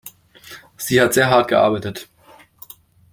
Sie hat sehr hart gearbeitet.